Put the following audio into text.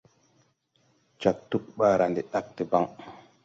Jāg tug baara de dag deban.